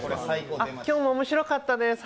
今日は面白かったです。